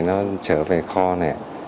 nó trở về kho này